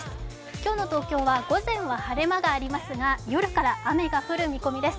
今日の東京は午前は晴れ間がありますが夜から雨が降る見込みです。